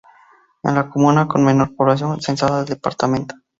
Es la comuna con menor población censada del departamento.